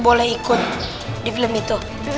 boleh ikut di film itu